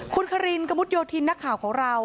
คุณคารินกระมุดโยธินนักข่าวของเรา